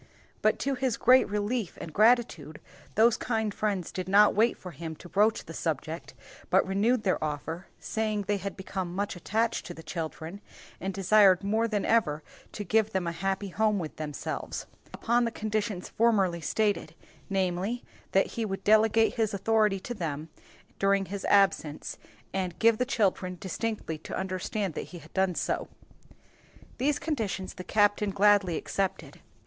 But to his great relief and gratitude, those kind friends did not wait for him to broach the subject, but renewed their offer, saying they had become much attached to the children, and desired more than ever to give them a happy home with themselves; upon the conditions formerly stated, namely, that he would delegate his authority to them during his absence, and give the children distinctly to understand that he had done so. These conditions the captain gladly accepted.